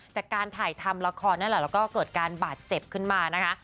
จากการถ่ายทำละครนั่นแหละแล้วก็เกิดการบาดเจ็บขึ้นมานะคะ